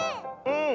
うん！